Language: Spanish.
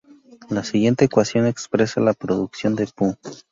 La siguiente ecuación expresa la producción de Pu.